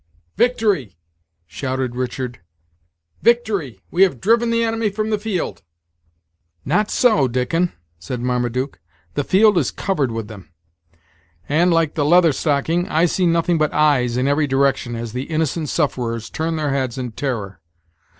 "Victory!" shouted Richard, "victory! we have driven the enemy from the field." "Not so, Dickon," said Marmaduke; "the field is covered with them; and, like the Leather Stocking, I see nothing but eyes, in every direction, as the innocent sufferers turn their heads in terror.